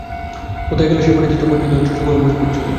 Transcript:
কোথায় গেল সেই পরিতুষ্ট পরিপুষ্ট সুগোল মুখচ্ছবি।